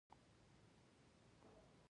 خو په کان کې يې بيا څه ونه موندل.